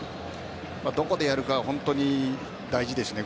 どこでやるかは本当に大事ですね。